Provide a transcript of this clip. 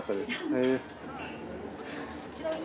へえ。